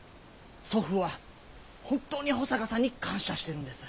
祖父は本当に保坂さんに感謝してるんです。